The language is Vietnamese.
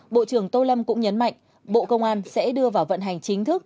bộ trưởng tô lâm cũng nhấn mạnh bộ công an sẽ đưa vào vận hành chính thức